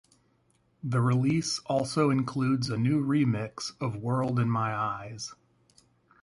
The release also includes a new remix of World in My Eyes.